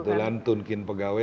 kebetulan tunkin pegawai